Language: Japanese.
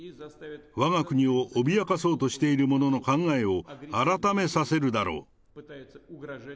わが国を脅かそうとしている者の考えを改めさせるだろう。